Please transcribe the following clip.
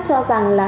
cho rằng là